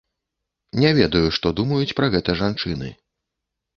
Не ведаю, што думаюць пра гэта жанчыны.